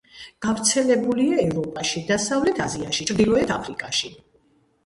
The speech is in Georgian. გავრცელებულია ევროპაში, დასავლეთ აზიაში, ჩრდილოეთ აფრიკაში.